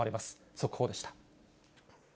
速報でした。